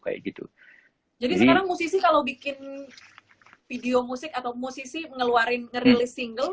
jadi sekarang musisi kalau bikin video musik atau musisi mengeluarkan ngerilis single